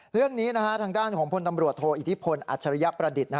เรื่องนี้ทางด้านของพลตำรวจโทอิทธิพลอัจฉริยประดิษฐ์